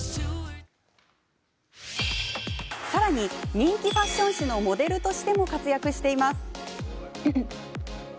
さらに、人気ファッション誌のモデルとしても活躍しています。